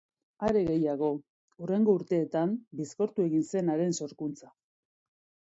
Are gehiago, hurrengo urteetan bizkortu egin zen haren sorkuntza.